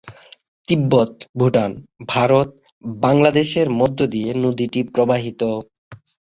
তিব্বত, ভুটান, ভারত, বাংলাদেশের মধ্য দিয়ে নদীটি প্রবাহিত।